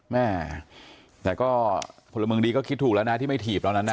แม่แต่ก็พลเมืองดีก็คิดถูกแล้วนะที่ไม่ถีบแล้วนะ